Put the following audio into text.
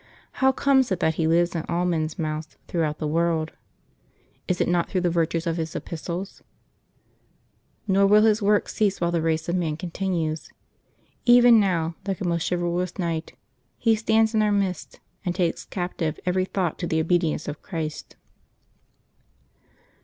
How comes it that he lives in all men's mouths throughout the world ? Is it not through the virtue of his Epistles ?" ISTor will his work cease while the race of man continues. Even now, like a most chivalrous knight, he stands in our midst, and takes captive every thought to the obedience of Christ.